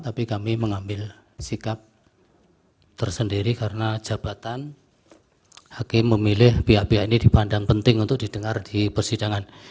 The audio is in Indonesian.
tapi kami mengambil sikap tersendiri karena jabatan hakim memilih pihak pihak ini dipandang penting untuk didengar di persidangan